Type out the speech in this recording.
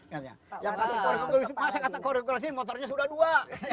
yang kata korek korek saya kata korek korek motornya sudah dua